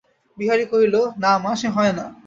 বিহারী কহিল, না মা, সে হয় না।